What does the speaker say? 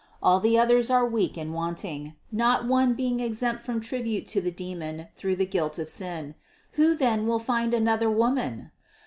All the others are weak and wanting, not one being exempt from tribute to the demon through the guilt of sin. Who then will find another woman?